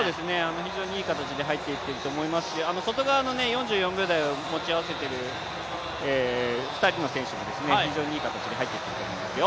非常にいい形で入っていってると思いますし外側の４４秒台を持ち合わせている２人の選手も非常にいい形で入ってきていると思いますよ。